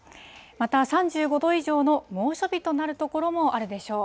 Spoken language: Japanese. また、３５度以上の猛暑日となる所もあるでしょう。